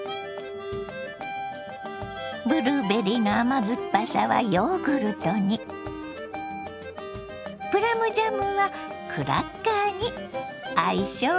ブルーベリーの甘酸っぱさはヨーグルトにプラムジャムはクラッカーに相性バツグン！